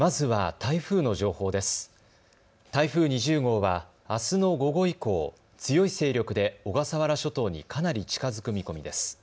台風２０号は、あすの午後以降、強い勢力で小笠原諸島にかなり近づく見込みです。